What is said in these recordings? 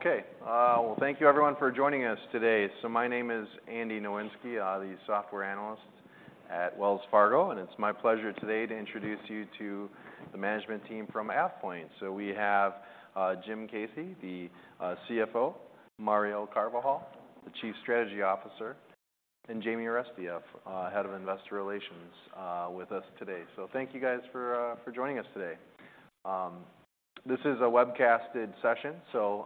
Okay, well, thank you everyone for joining us today. So my name is Andy Nowinski. I'm the software analyst at Wells Fargo, and it's my pleasure today to introduce you to the management team from AvePoint. So, we have Jim Caci, the CFO, Mario Carvajal, the Chief Strategy Officer, and Jamie Arestia, Head of Investor Relations, with us today. So thank you guys for joining us today. This is a webcasted session, so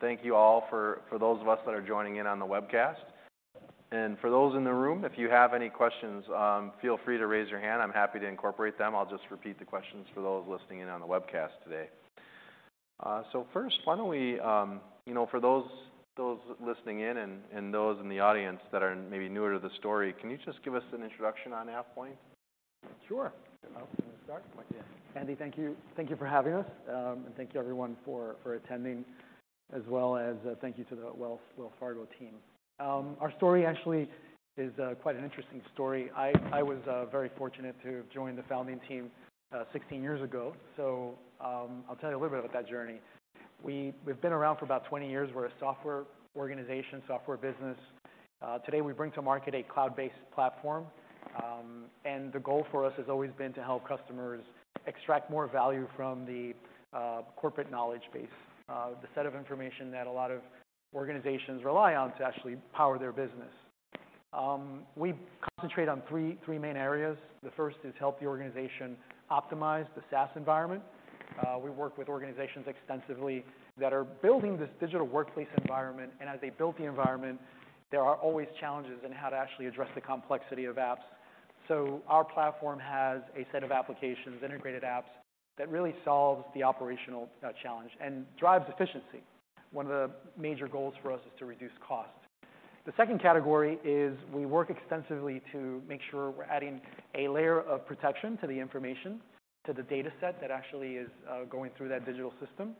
thank you all for those of us that are joining in on the webcast. And for those in the room, if you have any questions, feel free to raise your hand. I'm happy to incorporate them. I'll just repeat the questions for those listening in on the webcast today. So first, why don't we, you know, for those, those listening in and, and those in the audience that are maybe newer to the story, can you just give us an introduction on AvePoint? Sure. Want me to start? Yeah. Andy, thank you. Thank you for having us, and thank you everyone for attending, as well as thank you to the Wells Fargo team. Our story actually is quite an interesting story. I was very fortunate to have joined the founding team 16 years ago, so I'll tell you a little bit about that journey. We've been around for about 20 years. We're a software organization, software business. Today we bring to market a cloud-based platform, and the goal for us has always been to help customers extract more value from the corporate knowledge base, the set of information that a lot of organizations rely on to actually power their business. We concentrate on three main areas. The first is help the organization optimize the SaaS environment. We work with organizations extensively that are building this digital workplace environment, and as they build the environment, there are always challenges in how to actually address the complexity of apps. So our platform has a set of applications, integrated apps, that really solves the operational challenge and drives efficiency. One of the major goals for us is to reduce cost. The second category is, we work extensively to make sure we're adding a layer of protection to the information, to the data set that actually is going through that digital system.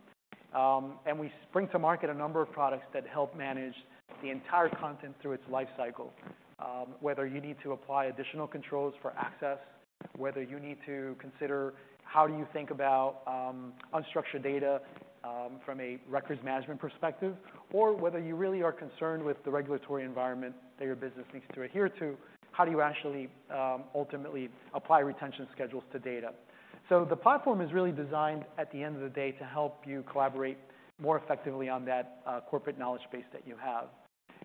And we bring to market a number of products that help manage the entire content through its life cycle. Whether you need to apply additional controls for access, whether you need to consider how do you think about unstructured data from a records management perspective, or whether you really are concerned with the regulatory environment that your business needs to adhere to, how do you actually ultimately apply retention schedules to data? So the platform is really designed, at the end of the day, to help you collaborate more effectively on that corporate knowledge base that you have.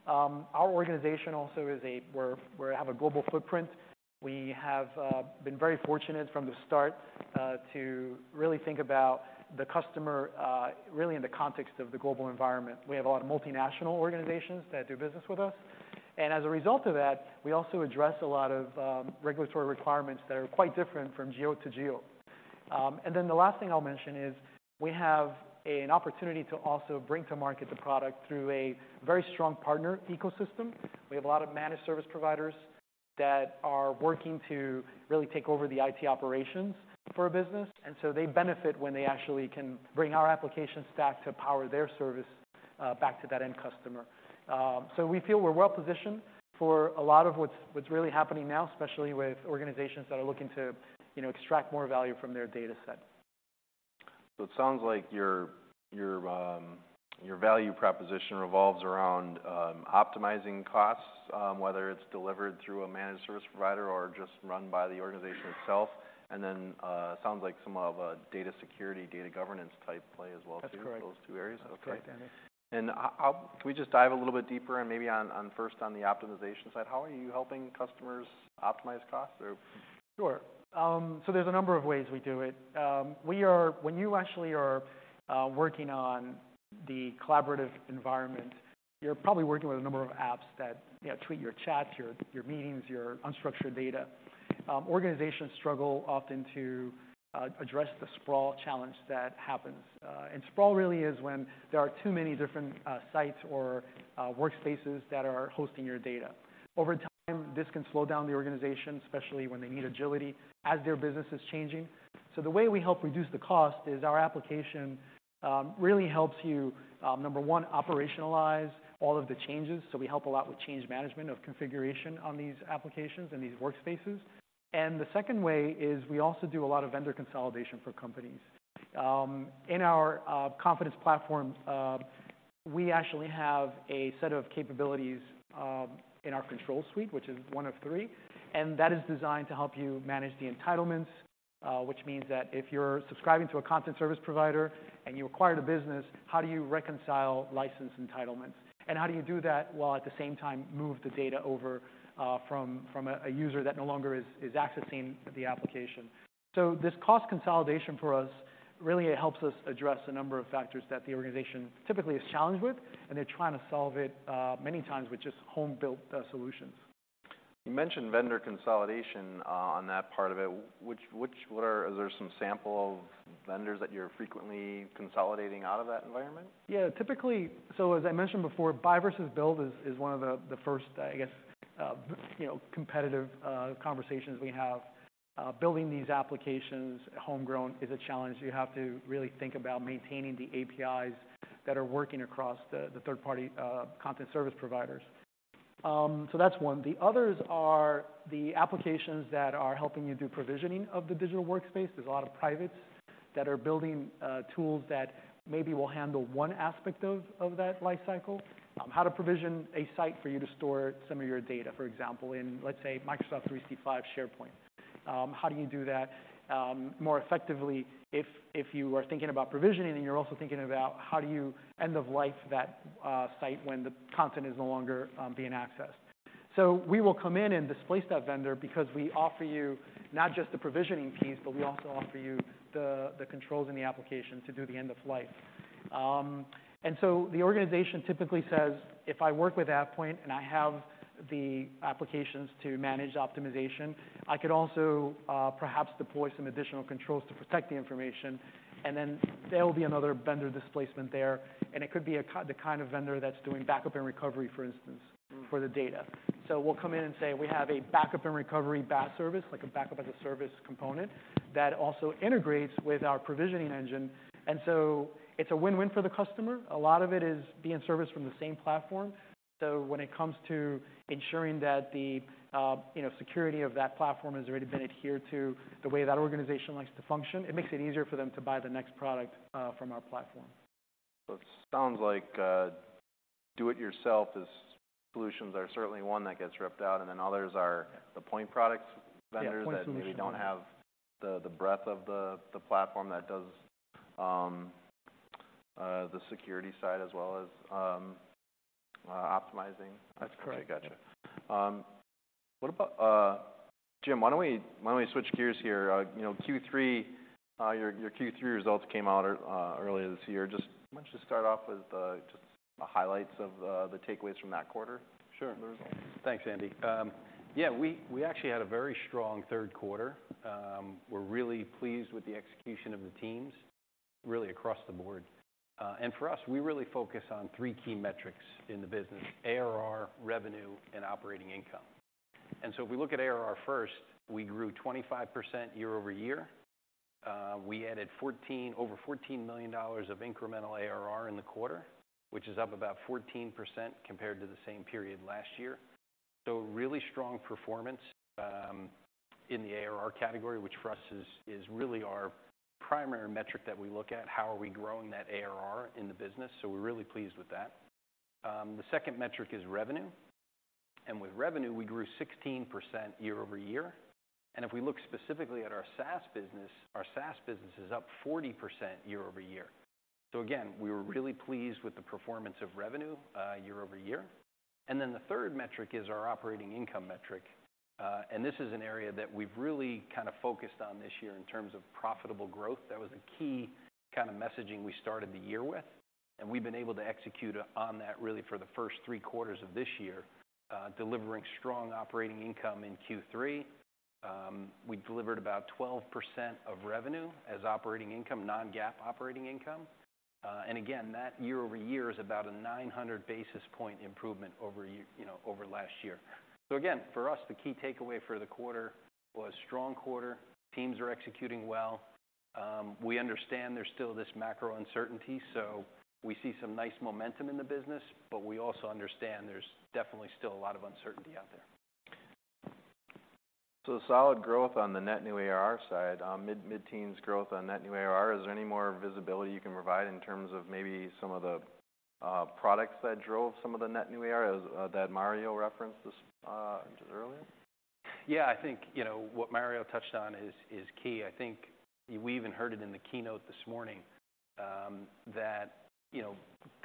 Our organization also is. We're, we have a global footprint. We have been very fortunate from the start to really think about the customer really in the context of the global environment. We have a lot of multinational organizations that do business with us, and as a result of that, we also address a lot of regulatory requirements that are quite different from geo to geo. And then the last thing I'll mention is, we have an opportunity to also bring to market the product through a very strong partner ecosystem. We have a lot of managed service providers that are working to really take over the IT operations for a business, and so they benefit when they actually can bring our application stack to power their service back to that end customer. So we feel we're well positioned for a lot of what's really happening now, especially with organizations that are looking to, you know, extract more value from their data set. So it sounds like your value proposition revolves around optimizing costs, whether it's delivered through a managed service provider or just run by the organization itself, and then it sounds like some of a data security, data governance type play as well, too. That's correct. Those two areas? That's correct, Andy. Okay. And how can we just dive a little bit deeper and maybe on, on first on the optimization side? How are you helping customers optimize costs or, Sure. So there's a number of ways we do it. When you actually are working on the collaborative environment, you're probably working with a number of apps that, you know, tweet your chats, your meetings, your unstructured data. Organizations struggle often to address the sprawl challenge that happens. And sprawl really is when there are too many different sites or workspaces that are hosting your data. Over time, this can slow down the organization, especially when they need agility, as their business is changing. So the way we help reduce the cost is our application really helps you, number one, operationalize all of the changes. So we help a lot with change management of configuration on these applications and these workspaces. And the second way is we also do a lot of vendor consolidation for companies. In our Confidence Platform, we actually have a set of capabilities in our Control Suite, which is one of three, and that is designed to help you manage the entitlements, which means that if you're subscribing to a content service provider and you acquire the business, how do you reconcile license entitlements? And how do you do that while at the same time move the data over from a user that no longer is accessing the application? So this cost consolidation, for us, really helps us address a number of factors that the organization typically is challenged with, and they're trying to solve it many times with just home-built solutions. You mentioned vendor consolidation on that part of it. What are. Are there some sample vendors that you're frequently consolidating out of that environment? Yeah, typically, so as I mentioned before, buy versus build is, is one of the, the first, I guess, you know, competitive, conversations we have. Building these applications homegrown is a challenge. You have to really think about maintaining the APIs that are working across the, the third-party, content service providers. So that's one. The others are the applications that are helping you do provisioning of the digital workspace. There's a lot of privates that are building, tools that maybe will handle one aspect of that life cycle. How to provision a site for you to store some of your data, for example, in, let's say, Microsoft 365 SharePoint. How do you do that more effectively if you are thinking about provisioning, and you're also thinking about how do you end-of-life that site when the content is no longer being accessed? So we will come in and displace that vendor because we offer you not just the provisioning piece, but we also offer you the controls in the application to do the end of life. And so the organization typically says, "If I work with AvePoint and I have the applications to manage the optimization, I could also perhaps deploy some additional controls to protect the information," and then there will be another vendor displacement there, and it could be the kind of vendor that's doing backup and recovery, for instance, for the data. So we'll come in and say, "We have a backup and recovery BaaS service, like a Backup as a Service component, that also integrates with our provisioning engine." And so it's a win-win for the customer. A lot of it is being serviced from the same platform, so when it comes to ensuring that the, you know, security of that platform has already been adhered to, the way that organization likes to function, it makes it easier for them to buy the next product, from our platform. So it sounds like, do-it-yourself solutions are certainly one that gets ripped out, and then others are the point products vendors- Yeah, point solutions. -that maybe don't have the breadth of the platform that does the security side as well as optimizing. That's correct. I gotcha. What about, Jim, why don't we, why don't we switch gears here? You know, Q3, your Q3 results came out earlier this year. Just why don't you just start off with just the highlights of the takeaways from that quarter? Sure. The results. Thanks, Andy. Yeah, we actually had a very strong third quarter. We're really pleased with the execution of the teams, really across the board. For us, we really focus on three key metrics in the business: ARR, revenue, and operating income. So if we look at ARR first, we grew 25% year-over-year. We added over $14 million of incremental ARR in the quarter, which is up about 14% compared to the same period last year. So really strong performance in the ARR category, which for us is really our primary metric that we look at, how are we growing that ARR in the business? So we're really pleased with that. The second metric is revenue, and with revenue, we grew 16% year-over-year. And if we look specifically at our SaaS business, our SaaS business is up 40% year-over-year. So again, we were really pleased with the performance of revenue year-over-year. And then the third metric is our operating income metric. And this is an area that we've really kind of focused on this year in terms of profitable growth. That was a key kind of messaging we started the year with, and we've been able to execute on that really for the first three quarters of this year, delivering strong operating income in Q3. We delivered about 12% of revenue as operating income, non-GAAP operating income. And again, that year-over-year is about a 900 basis point improvement over you know, over last year. So again, for us, the key takeaway for the quarter was strong quarter. Teams are executing well. We understand there's still this macro uncertainty, so we see some nice momentum in the business, but we also understand there's definitely still a lot of uncertainty out there. So solid growth on the net new ARR side, mid-teens growth on net new ARR. Is there any more visibility you can provide in terms of maybe some of the products that drove some of the net new ARR that Mario referenced earlier? Yeah, I think, you know, what Mario touched on is key. I think we even heard it in the keynote this morning, that, you know,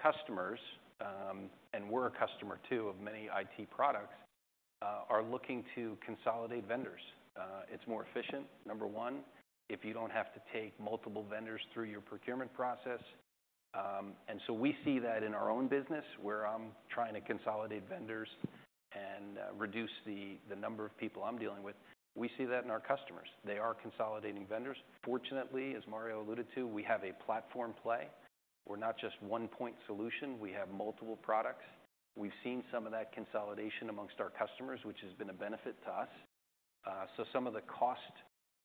customers, and we're a customer, too, of many IT products, are looking to consolidate vendors. It's more efficient, number one, if you don't have to take multiple vendors through your procurement process. And so we see that in our own business, where I'm trying to consolidate vendors and reduce the number of people I'm dealing with. We see that in our customers. They are consolidating vendors. Fortunately, as Mario alluded to, we have a platform play. We're not just one point solution. We have multiple products. We've seen some of that consolidation amongst our customers, which has been a benefit to us. So some of the cost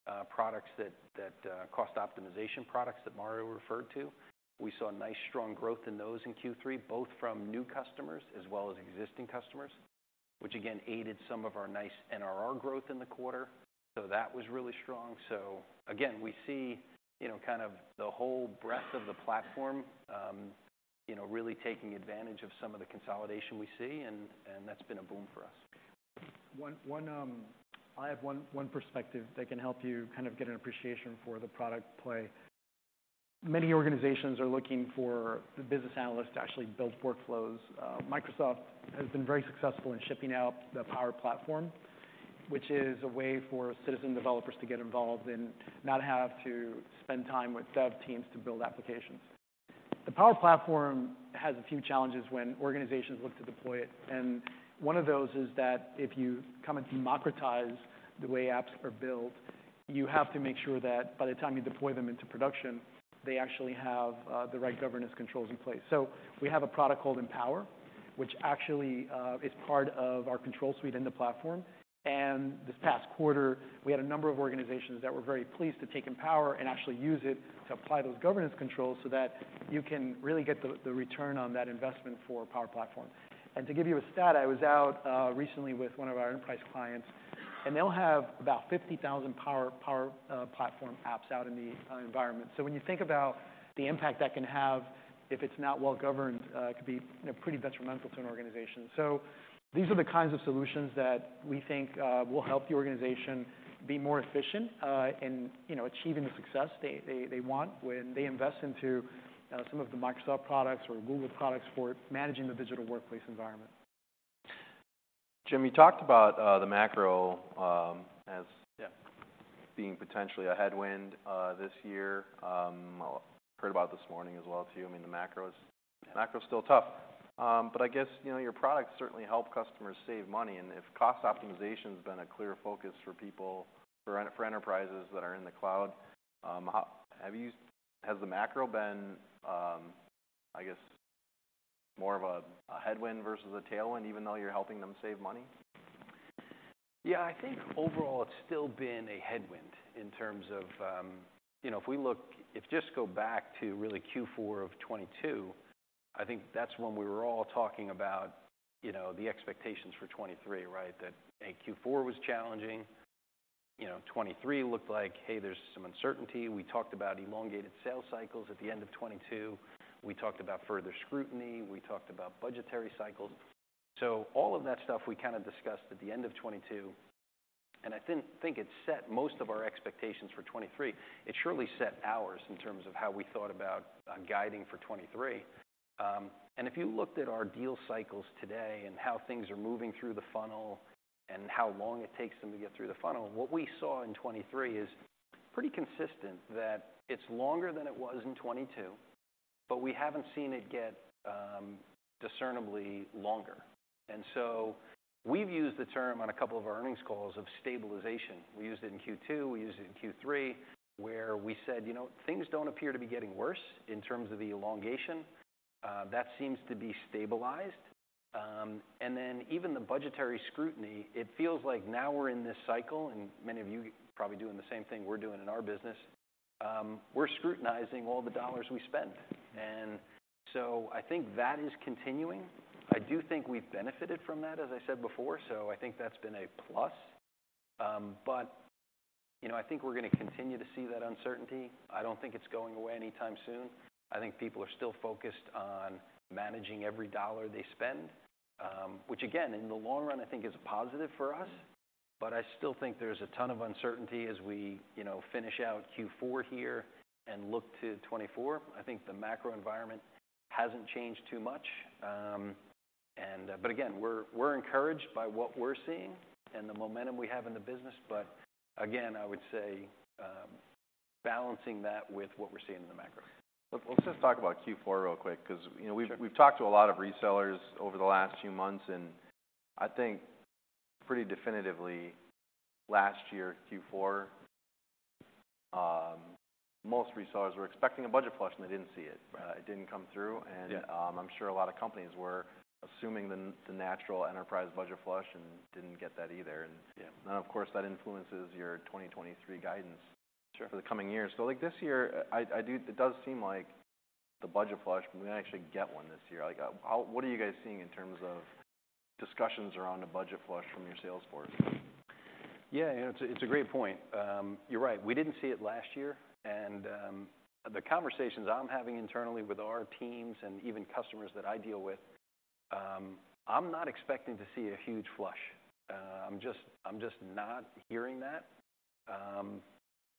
optimization products that Mario referred to, we saw nice, strong growth in those in Q3, both from new customers as well as existing customers, which again aided some of our nice NRR growth in the quarter. So that was really strong. So again, we see, you know, kind of the whole breadth of the platform, you know, really taking advantage of some of the consolidation we see, and that's been a boom for us. I have one perspective that can help you kind of get an appreciation for the product play. Many organizations are looking for the business analyst to actually build workflows. Microsoft has been very successful in shipping out the Power Platform, which is a way for citizen developers to get involved and not have to spend time with dev teams to build applications. The Power Platform has a few challenges when organizations look to deploy it, and one of those is that if you come and democratize the way apps are built, you have to make sure that by the time you deploy them into production, they actually have the right governance controls in place. So we have a product called EnPower, which actually is part of our Control Suite in the platform. This past quarter, we had a number of organizations that were very pleased to take EnPower and actually use it to apply those governance controls so that you can really get the return on that investment for Power Platform. To give you a stat, I was out recently with one of our enterprise clients, and they'll have about 50,000 Power Platform apps out in the environment. So when you think about the impact that can have, if it's not well-governed, it could be, you know, pretty detrimental to an organization. So these are the kinds of solutions that we think will help the organization be more efficient in, you know, achieving the success they want when they invest into some of the Microsoft products or Google products for managing the digital workplace environment. Jim, you talked about the macro, as- Yeah Being potentially a headwind this year. I heard about it this morning as well, too. I mean, the macro is still tough. But I guess, you know, your products certainly help customers save money, and if cost optimization's been a clear focus for people, for enterprises that are in the cloud, how has the macro been, I guess, more of a headwind versus a tailwind, even though you're helping them save money? Yeah, I think overall it's still been a headwind in terms of, you know, if we just go back to really Q4 of 2022, I think that's when we were all talking about, you know, the expectations for 2023, right? That, A, Q4 was challenging. You know, 2023 looked like, hey, there's some uncertainty. We talked about elongated sales cycles at the end of 2022. We talked about further scrutiny. We talked about budgetary cycles. So all of that stuff we kinda discussed at the end of 2022, and I think it set most of our expectations for 2023. It surely set ours in terms of how we thought about guiding for 2023. If you looked at our deal cycles today and how things are moving through the funnel and how long it takes them to get through the funnel, what we saw in 2023 is pretty consistent, that it's longer than it was in 2022, but we haven't seen it get discernibly longer. So we've used the term on a couple of our earnings calls of stabilization. We used it in Q2, we used it in Q3, where we said, "You know, things don't appear to be getting worse in terms of the elongation. That seems to be stabilized." Then even the budgetary scrutiny, it feels like now we're in this cycle, and many of you are probably doing the same thing we're doing in our business. We're scrutinizing all the dollars we spend. So I think that is continuing. I do think we've benefited from that, as I said before, so I think that's been a plus. But, you know, I think we're gonna continue to see that uncertainty. I don't think it's going away anytime soon. I think people are still focused on managing every dollar they spend, which again, in the long run, I think is a positive for us. But I still think there's a ton of uncertainty as we, you know, finish out Q4 here and look to 2024. I think the macro environment hasn't changed too much. And, but again, we're, we're encouraged by what we're seeing and the momentum we have in the business, but again, I would say, balancing that with what we're seeing in the macro. Let's just talk about Q4 real quick, 'cause, you know we've talked to a lot of resellers over the last few months, and I think pretty definitively last year, Q4, most resellers were expecting a budget flush, and they didn't see it. Right. It didn't come through. Yeah. And, I'm sure a lot of companies were assuming the natural enterprise budget flush and didn't get that either, and of course, that influences your 2023 guidance for the coming years. So, like, this year, it does seem like the budget flush. We might actually get one this year. Like, what are you guys seeing in terms of discussions around a budget flush from your sales force? Yeah, you know, it's a great point. You're right. We didn't see it last year, and the conversations I'm having internally with our teams and even customers that I deal with, I'm not expecting to see a huge flush. I'm just not hearing that.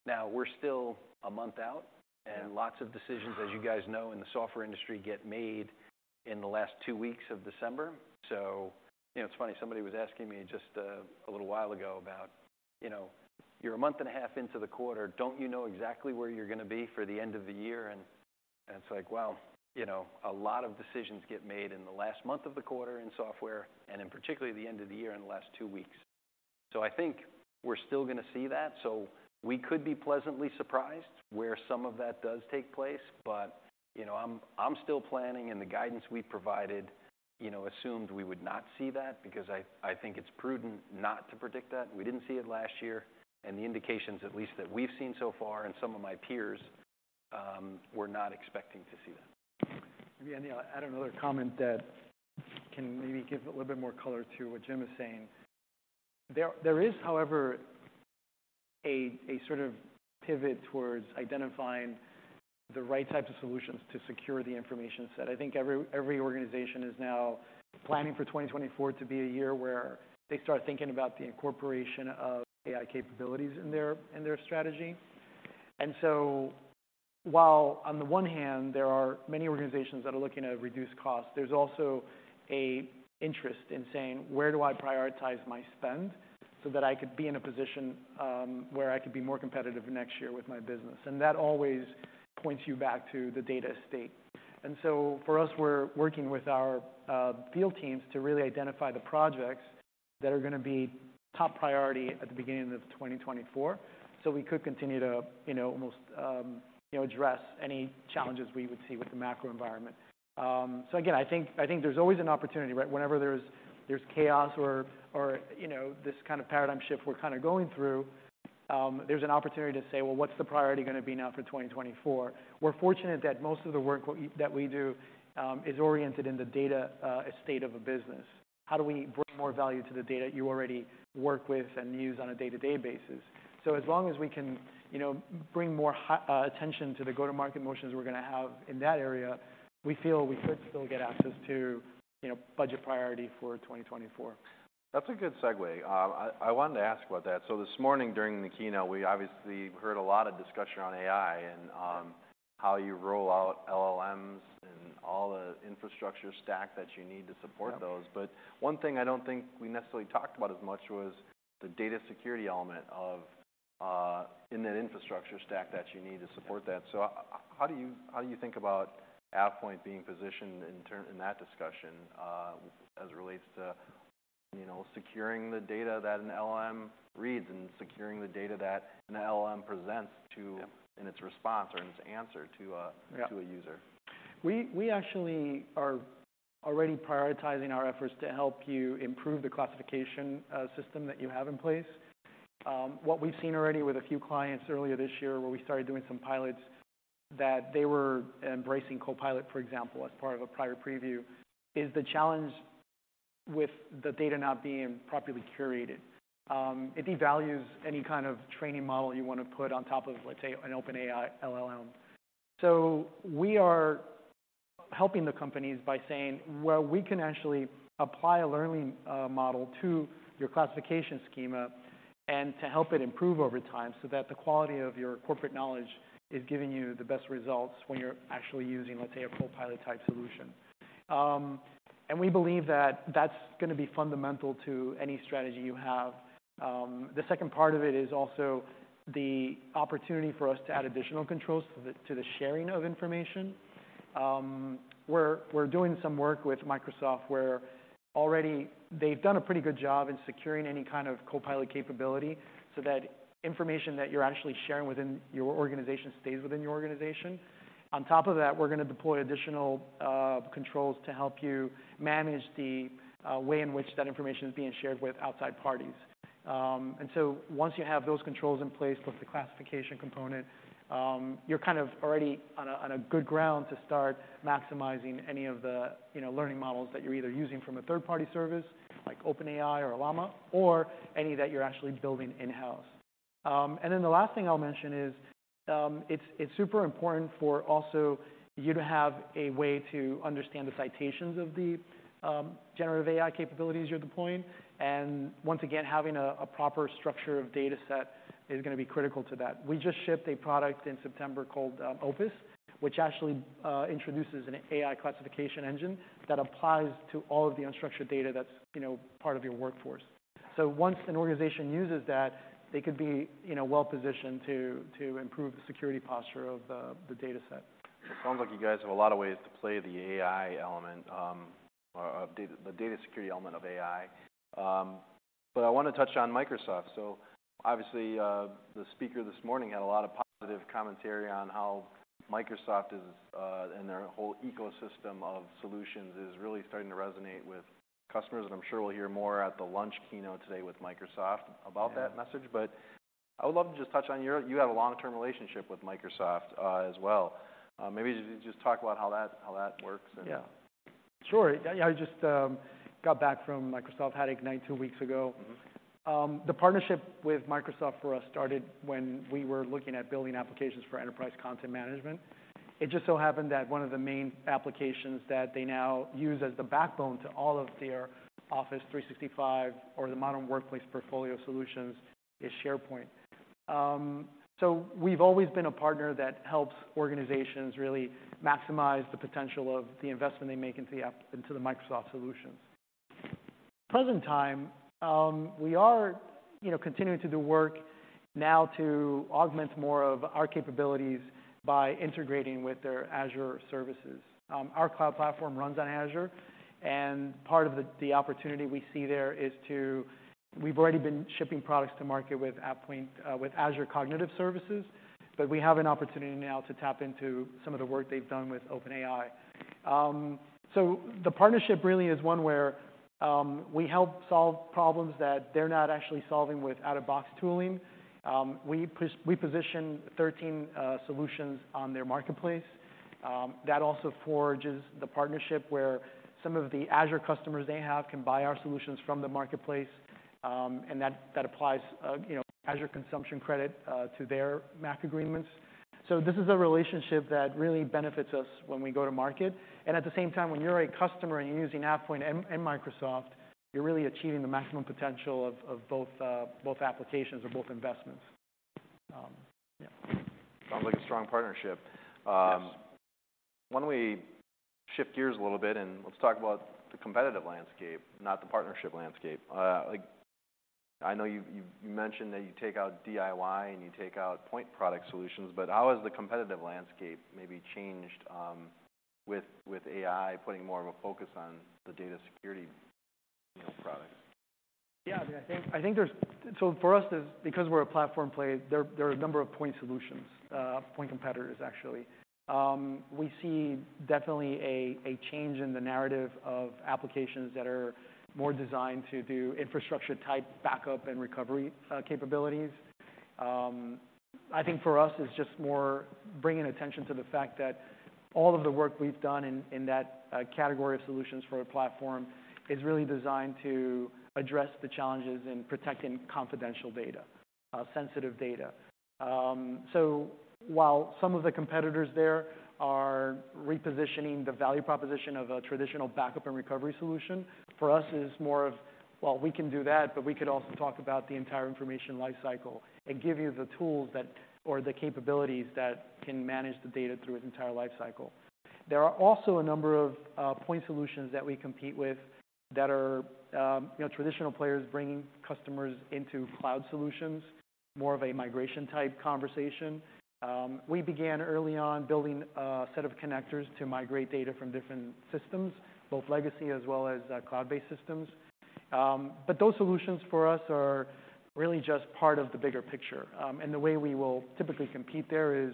Now we're still a month out and lots of decisions, as you guys know, in the software industry, get made in the last two weeks of December. So you know, it's funny, somebody was asking me just a little while ago about, "You know, you're a month and a half into the quarter, don't you know exactly where you're gonna be for the end of the year?" And it's like, well, you know, a lot of decisions get made in the last month of the quarter in software, and particularly the end of the year, in the last two weeks. So I think we're still gonna see that, so we could be pleasantly surprised where some of that does take place. But you know, I'm still planning, and the guidance we provided you know, assumed we would not see that because I think it's prudent not to predict that. We didn't see it last year, and the indications, at least, that we've seen so far and some of my peers, we're not expecting to see that. Maybe I need to add another comment that can maybe give a little bit more color to what Jim is saying. There is, however, a sort of pivot towards identifying the right types of solutions to secure the information set. I think every organization is now planning for 2024 to be a year where they start thinking about the incorporation of AI capabilities in their strategy. And so while on the one hand, there are many organizations that are looking to reduce costs, there's also an interest in saying: Where do I prioritize my spend so that I could be in a position where I could be more competitive next year with my business? And that always points you back to the data estate. And so for us, we're working with our field teams to really identify the projects that are gonna be top priority at the beginning of 2024, so we could continue to, you know, almost address any challenges we would see with the macro environment. So again, I think there's always an opportunity, right? Whenever there's chaos or, you know, this kind of paradigm shift we're kind of going through, there's an opportunity to say, "Well, what's the priority gonna be now for 2024?" We're fortunate that most of the work that we do is oriented in the data estate of a business. How do we bring more value to the data you already work with and use on a day-to-day basis? So as long as we can, you know, bring more high attention to the go-to-market motions we're gonna have in that area, we feel we could still get access to, you know, budget priority for 2024. That's a good segue. I wanted to ask about that. So this morning during the keynote, we obviously heard a lot of discussion on AI and on how you roll out LLMs and all the infrastructure stack that you need to support those. Yep. But one thing I don't think we necessarily talked about as much was the data security element of, in that infrastructure stack that you need to support that. Yeah. So how do you, how do you think about AvePoint being positioned in terms of that discussion, as it relates to, you know, securing the data that an LLM reads and securing the data that an LLM presents to in its response or in its answer to a user? We actually are already prioritizing our efforts to help you improve the classification system that you have in place. What we've seen already with a few clients earlier this year, where we started doing some pilots, that they were embracing Copilot, for example, as part of a prior preview, is the challenge with the data not being properly curated. It devalues any kind of training model you wanna put on top of, let's say, an OpenAI LLM. So we are helping the companies by saying, "Well, we can actually apply a learning model to your classification schema, and to help it improve over time, so that the quality of your corporate knowledge is giving you the best results when you're actually using, let's say, a Copilot-type solution." And we believe that that's gonna be fundamental to any strategy you have. The second part of it is also the opportunity for us to add additional controls to the, to the sharing of information. We're, we're doing some work with Microsoft, where already they've done a pretty good job in securing any kind of Copilot capability, so that information that you're actually sharing within your organization stays within your organization. On top of that, we're gonna deploy additional controls to help you manage the way in which that information is being shared with outside parties. And so once you have those controls in place, plus the classification component, you're kind of already on a, on a good ground to start maximizing any of the, you know, learning models that you're either using from a third-party service, like OpenAI or Llama, or any that you're actually building in-house. And then the last thing I'll mention is, it's super important for also you to have a way to understand the citations of the generative AI capabilities you're deploying. And once again, having a proper structure of data set is gonna be critical to that. We just shipped a product in September called Opus, which actually introduces an AI classification engine that applies to all of the unstructured data that's, you know, part of your workforce. So once an organization uses that, they could be, you know, well-positioned to improve the security posture of the data set. It sounds like you guys have a lot of ways to play the AI element, or the data security element of AI. But I wanna touch on Microsoft. So obviously, the speaker this morning had a lot of positive commentary on how Microsoft is, and their whole ecosystem of solutions is really starting to resonate with customers, and I'm sure we'll hear more at the lunch keynote today with Microsoft about that message. Yeah. But I would love to just touch on your... You have a long-term relationship with Microsoft, as well. Maybe just talk about how that, how that works, and- Yeah. Sure. Yeah, I just got back from Microsoft Ignite two weeks ago. The partnership with Microsoft for us started when we were looking at building applications for enterprise content management. It just so happened that one of the main applications that they now use as the backbone to all of their Office 365 or the modern workplace portfolio solutions is SharePoint. So we've always been a partner that helps organizations really maximize the potential of the investment they make into the app, into the Microsoft solutions. Present time, we are, you know, continuing to do work now to augment more of our capabilities by integrating with their Azure services. Our cloud platform runs on Azure, and part of the, the opportunity we see there is to... We've already been shipping products to market with AvePoint, with Azure Cognitive Services, but we have an opportunity now to tap into some of the work they've done with OpenAI. So the partnership really is one where, we help solve problems that they're not actually solving with out-of-the-box tooling. We position 13 solutions on their marketplace. That also forges the partnership, where some of the Azure customers they have can buy our solutions from the marketplace, and that, that applies, you know, Azure consumption credit to their MACC agreements. So this is a relationship that really benefits us when we go to market, and at the same time, when you're a customer and you're using AvePoint and, and Microsoft, you're really achieving the maximum potential of, of both, both applications or both investments. Yeah. Sounds like a strong partnership. Yes. Why don't we shift gears a little bit, and let's talk about the competitive landscape, not the partnership landscape. I know you've mentioned that you take out DIY, and you take out point product solutions, but how has the competitive landscape maybe changed, with AI putting more of a focus on the data security, you know, products? Yeah, I think for us, because we're a platform play, there are a number of point solutions, point competitors, actually. We see definitely a change in the narrative of applications that are more designed to do infrastructure-type backup and recovery capabilities. I think for us, it's just more bringing attention to the fact that all of the work we've done in that category of solutions for a platform is really designed to address the challenges in protecting confidential data, sensitive data. So while some of the competitors there are repositioning the value proposition of a traditional backup and recovery solution, for us it's more of, well, we can do that, but we could also talk about the entire information lifecycle and give you the tools that or the capabilities that can manage the data through its entire lifecycle. There are also a number of point solutions that we compete with that are, you know, traditional players bringing customers into cloud solutions, more of a migration type conversation. We began early on building a set of connectors to migrate data from different systems, both legacy as well as cloud-based systems. But those solutions for us are really just part of the bigger picture. And the way we will typically compete there is,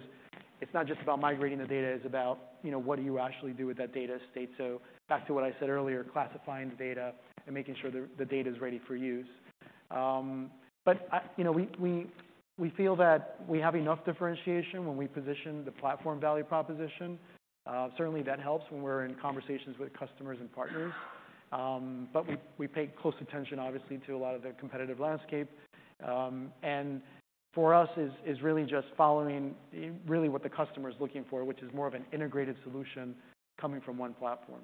it's not just about migrating the data, it's about, you know, what do you actually do with that data state? So back to what I said earlier, classifying the data and making sure the data is ready for use. You know, we feel that we have enough differentiation when we position the platform value proposition. Certainly, that helps when we're in conversations with customers and partners. And for us, is really just following really what the customer is looking for, which is more of an integrated solution coming from one platform.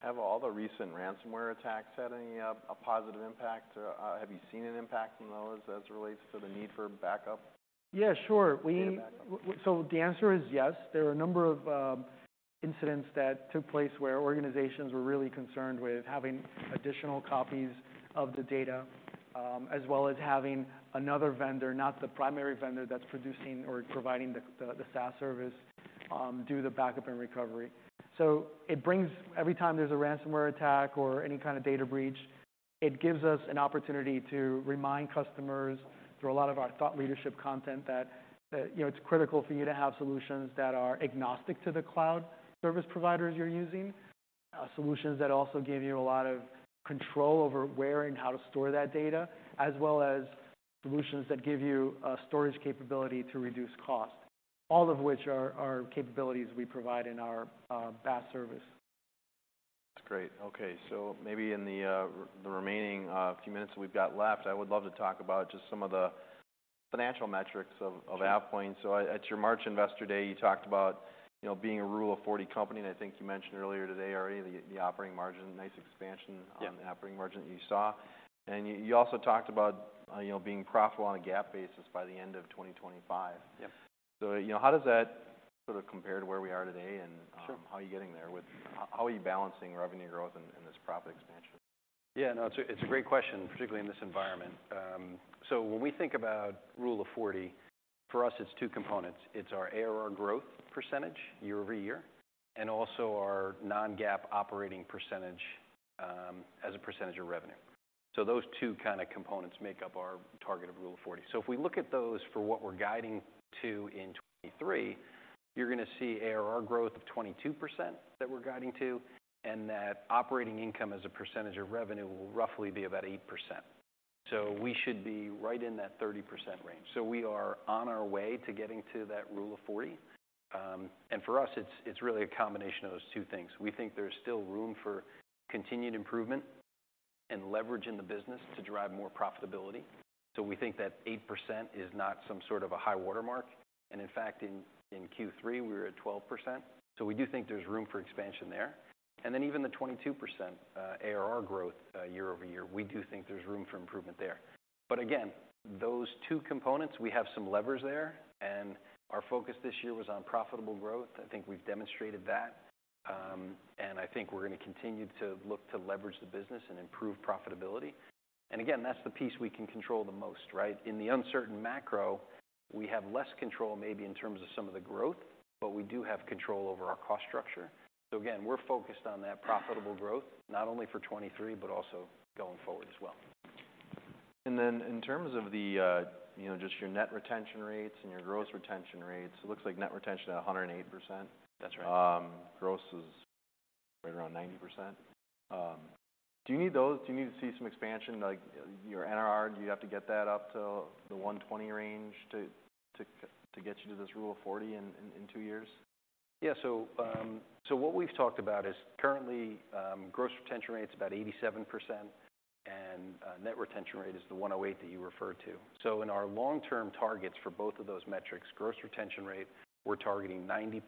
Have all the recent ransomware attacks had any, a positive impact? Have you seen an impact from those as it relates to the need for backup? Yeah, sure. Data backup. So the answer is yes. There are a number of incidents that took place where organizations were really concerned with having additional copies of the data, as well as having another vendor, not the primary vendor that's producing or providing the SaaS service, do the backup and recovery. So it brings every time there's a ransomware attack or any kind of data breach, it gives us an opportunity to remind customers through a lot of our thought leadership content, that you know, it's critical for you to have solutions that are agnostic to the cloud service providers you're using. Solutions that also give you a lot of control over where and how to store that data, as well as solutions that give you storage capability to reduce cost, all of which are capabilities we provide in our SaaS service. That's great. Okay. So maybe in the remaining few minutes we've got left, I would love to talk about just some of the financial metrics of AvePoint. So at your March Investor Day, you talked about, you know, being a Rule of 40 company, and I think you mentioned earlier today already the operating margin, nice expansion on the operating margin you saw. You also talked about, you know, being profitable on a GAAP basis by the end of 2025. Yep. You know, how does that sort of compare to where we are today, and how are you getting there? How, how are you balancing revenue growth and, and this profit expansion? Yeah, no, it's a great question, particularly in this environment. So when we think about Rule of 40, for us, it's two components: It's our ARR growth percentage year-over-year, and also our non-GAAP operating percentage, as a percentage of revenue. So those two kind of components make up our target of Rule of 40. So if we look at those for what we're guiding to in 2023, you're going to see ARR growth of 22% that we're guiding to, and that operating income as a percentage of revenue will roughly be about 8%. So we should be right in that 30% range. So we are on our way to getting to that Rule of 40. And for us, it's really a combination of those two things. We think there's still room for continued improvement and leverage in the business to drive more profitability. So we think that 8% is not some sort of a high watermark, and in fact, in Q3, we were at 12%. So we do think there's room for expansion there. And then even the 22% ARR growth year-over-year, we do think there's room for improvement there. But again, those two components, we have some levers there, and our focus this year was on profitable growth. I think we've demonstrated that, and I think we're going to continue to look to leverage the business and improve profitability. And again, that's the piece we can control the most, right? In the uncertain macro, we have less control, maybe in terms of some of the growth, but we do have control over our cost structure. Again, we're focused on that profitable growth, not only for 2023, but also going forward as well. And then in terms of the, you know, just your net retention rates and your gross retention rates, it looks like net retention at 108%. That's right. Gross is right around 90%. Do you need those— Do you need to see some expansion, like your NRR? Do you have to get that up to the 120 range to get you to this Rule of 40 in two years? Yeah. So, so what we've talked about is currently, gross retention rate is about 87%, and net retention rate is the 108 that you referred to. So in our long-term targets for both of those metrics, gross retention rate, we're targeting 90%+,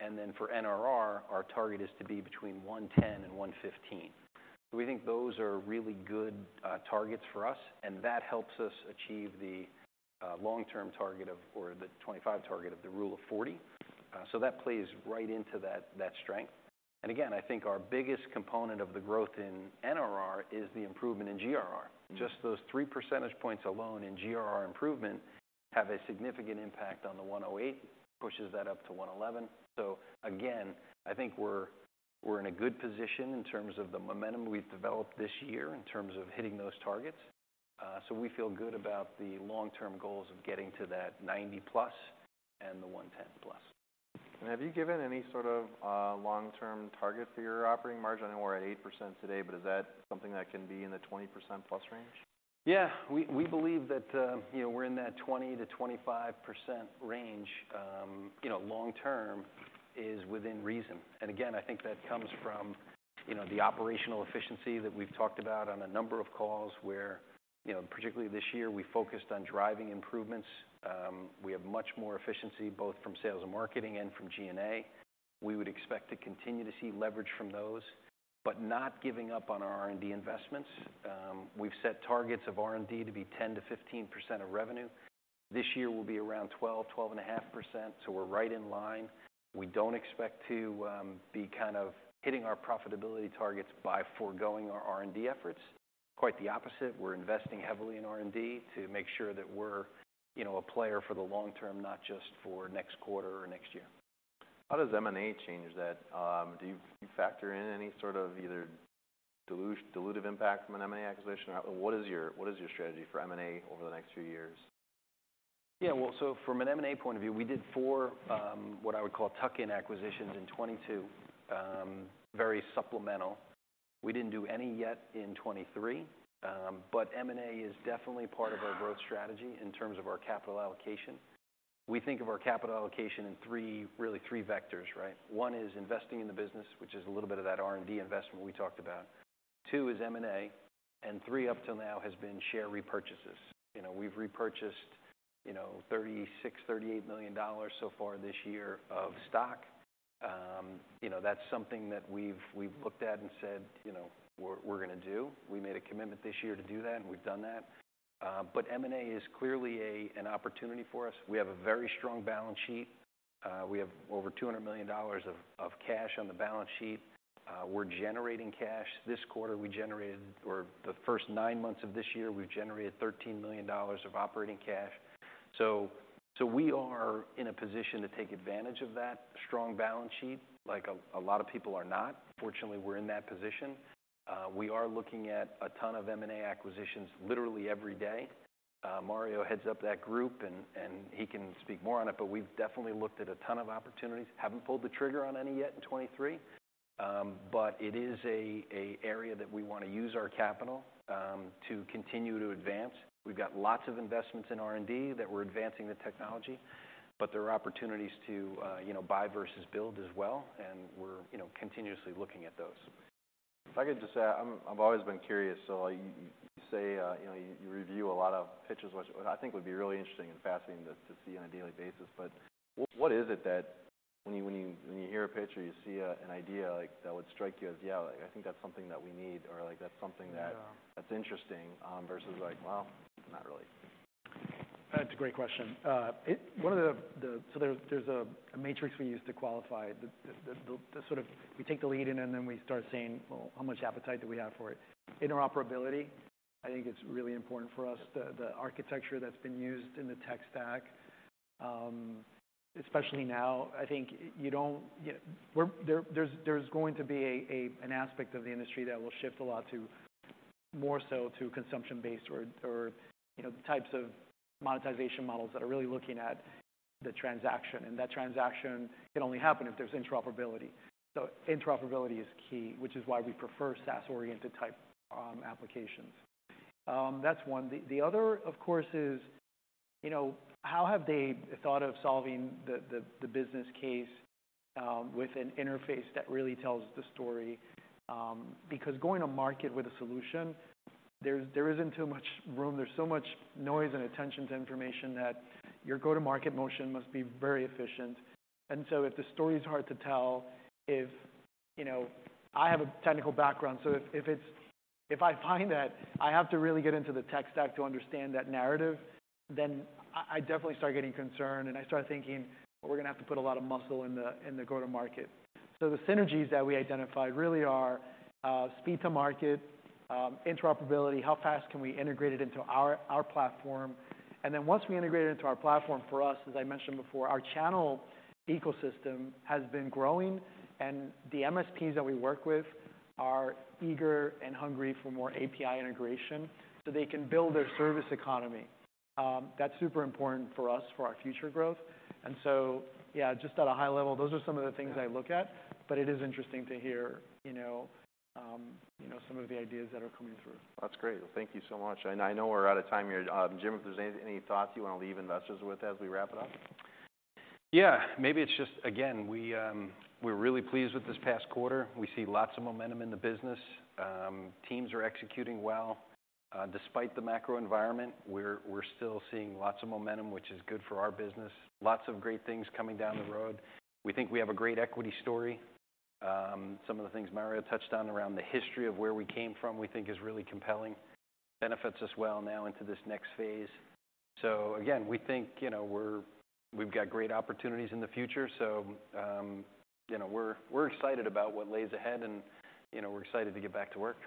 and then for NRR, our target is to be between 110 and 115. So we think those are really good targets for us, and that helps us achieve the long-term target of or the 25 target of the Rule of 40. So that plays right into that, that strength. And again, I think our biggest component of the growth in NRR is the improvement in GRR. Just those three percentage points alone in GRR improvement have a significant impact on the 108, pushes that up to 111. So again, I think we're in a good position in terms of the momentum we've developed this year in terms of hitting those targets. So we feel good about the long-term goals of getting to that 90+ and the 110+. Have you given any sort of long-term target for your operating margin? I know we're at 8% today, but is that something that can be in the 20%+ range? Yeah, we believe that, you know, we're in that 20%-25% range, you know, long term is within reason. Again, I think that comes from, you know, the operational efficiency that we've talked about on a number of calls where, you know, particularly this year, we focused on driving improvements. We have much more efficiency, both from sales and marketing and from G&A. We would expect to continue to see leverage from those, but not giving up on our R&D investments. We've set targets of R&D to be 10%-15% of revenue. This year will be around 12%-12.5%, so we're right in line. We don't expect to be kind of hitting our profitability targets by foregoing our R&D efforts. Quite the opposite. We're investing heavily in R&D to make sure that we're, you know, a player for the long term, not just for next quarter or next year. How does M&A change that? Do you factor in any sort of either dilutive impact from an M&A acquisition, or what is your strategy for M&A over the next few years? Yeah, well, so from an M&A point of view, we did four, what I would call tuck-in acquisitions in 2022, very supplemental. We didn't do any yet in 2023. But M&A is definitely part of our growth strategy in terms of our capital allocation. We think of our capital allocation in three, really three vectors, right? One is investing in the business, which is a little bit of that R&D investment we talked about. Two is M&A, and three, up till now, has been share repurchases. You know, we've repurchased, you know, $36-$38 million so far this year of stock. You know, that's something that we've, we've looked at and said, you know, we're, we're gonna do. We made a commitment this year to do that, and we've done that. But M&A is clearly a, an opportunity for us. We have a very strong balance sheet. We have over $200 million of cash on the balance sheet. We're generating cash. This quarter, we generated. or the first nine months of this year, we've generated $13 million of operating cash. So we are in a position to take advantage of that strong balance sheet, like a lot of people are not. Fortunately, we're in that position. We are looking at a ton of M&A acquisitions, literally every day. Mario heads up that group, and he can speak more on it, but we've definitely looked at a ton of opportunities. Haven't pulled the trigger on any yet in 2023, but it is a area that we want to use our capital to continue to advance. We've got lots of investments in R&D that we're advancing the technology, but there are opportunities to, you know, buy versus build as well, and we're, you know, continuously looking at those. If I could just add, I've always been curious, so you, you say, you know, you review a lot of pitches, which I think would be really interesting and fascinating to, to see on a daily basis. But what, what is it that when you, when you, when you hear a pitch or you see an idea like that would strike you as, "Yeah, like, I think that's something that we need," or like, "That's something that- Yeah. That's interesting," versus like, "Well, not really? That's a great question. One of the – so there's a matrix we use to qualify the sort of. We take the lead in, and then we start saying, "Well, how much appetite do we have for it?" Interoperability, I think it's really important for us, the architecture that's been used in the tech stack. Especially now, I think – yeah, there's going to be an aspect of the industry that will shift a lot to more so to consumption-based or, you know, types of monetization models that are really looking at the transaction, and that transaction can only happen if there's interoperability. So interoperability is key, which is why we prefer SaaS-oriented type applications. That's one. The other, of course, is, you know, how have they thought of solving the business case with an interface that really tells the story? Because going to market with a solution, there's, there isn't too much room, there's so much noise and attention to information that your go-to-market motion must be very efficient. And so if the story is hard to tell, if... You know, I have a technical background, so if it's, if I find that I have to really get into the tech stack to understand that narrative, then I definitely start getting concerned, and I start thinking, "We're gonna have to put a lot of muscle in the go-to market." So the synergies that we identified really are speed to market, interoperability, how fast can we integrate it into our platform? Then once we integrate it into our platform, for us, as I mentioned before, our channel ecosystem has been growing, and the MSPs that we work with are eager and hungry for more API integration, so they can build their service economy. That's super important for us for our future growth. So, yeah, just at a high level, those are some of the things I look at, but it is interesting to hear, you know, you know, some of the ideas that are coming through. That's great. Thank you so much. I know we're out of time here. Jim, if there's any thoughts you want to leave investors with as we wrap it up? Yeah. Maybe it's just, again, we're really pleased with this past quarter. We see lots of momentum in the business. Teams are executing well. Despite the macro environment, we're still seeing lots of momentum, which is good for our business. Lots of great things coming down the road. We think we have a great equity story. Some of the things Mario touched on around the history of where we came from, we think is really compelling, benefits us well now into this next phase. So again, we think, you know, we've got great opportunities in the future. So, you know, we're excited about what lays ahead and, you know, we're excited to get back to work.